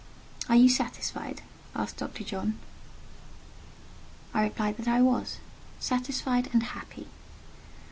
"Are you satisfied now?" asked Dr. John. I replied that I was—satisfied and happy.